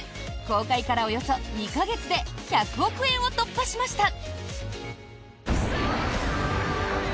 公開からおよそ２か月で１００億円を突破しました。